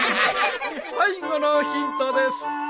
最後のヒントです。